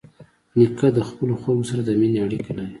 نیکه د خپلو خلکو سره د مینې اړیکه لري.